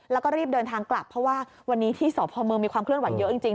แล้วก็รีบเดินทางกลับเพราะว่าวันนี้ที่สพเมืองมีความเคลื่อนไหวเยอะจริง